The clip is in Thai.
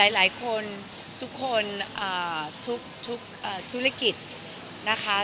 หลายคนทุกคนทุกธุรกิจนะคะ